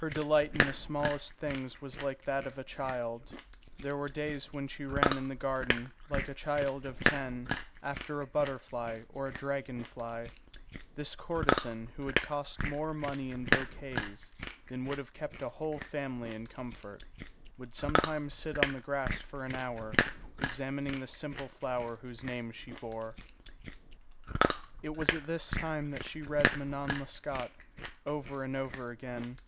Her delight in the smallest things was like that of a child. There were days when she ran in the garden, like a child of ten, after a butterfly or a dragon fly. This courtesan who had cost more money in bouquets than would have kept a whole family in comfort, would sometimes sit on the grass for an hour, examining the simple flower whose name she bore. It was at this time that she read Manon Lescaut, over and over again.